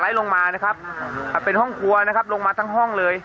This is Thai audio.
ลงมานะครับเป็นห้องครัวนะครับลงมาทั้งห้องเลย